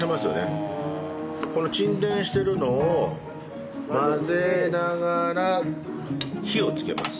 この沈殿してるのを混ぜながら火をつけます。